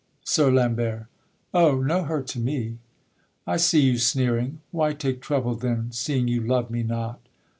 SIR LAMBERT. O! no hurt to me; I see you sneering, Why take trouble then, Seeing you love me not?